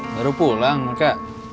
baru pulang maka